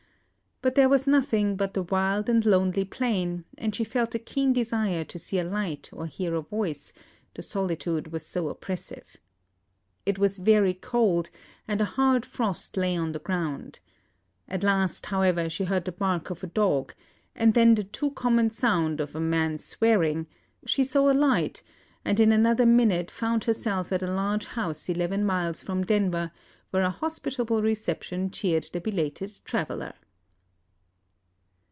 But there was nothing but the wild and lonely plain, and she felt a keen desire to see a light or hear a voice, the solitude was so oppressive. It was very cold, and a hard frost lay on the ground. At last, however, she heard the bark of a dog, and then the too common sound of a man swearing; she saw a light, and in another minute found herself at a large house eleven miles from Denver, where a hospitable reception cheered the belated traveller.